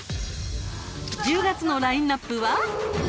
１０月のラインナップは。